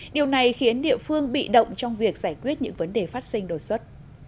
điều này khiến địa phương bị động trong việc giải quyết những vấn đề phát sinh đột xuất